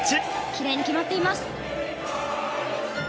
奇麗に決まっています。